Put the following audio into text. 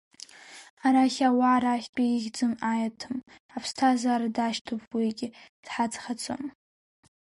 Арахь ауаа рахьтәи ихьӡым аиаҭым, аԥсҭазаара дашьҭоуп уигьы дҳаҵҳаҵо!